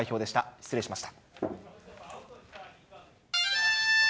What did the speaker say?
失礼しました。